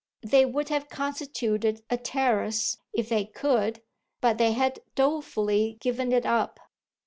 They would have constituted a "terrace" if they could, but they had dolefully given it up.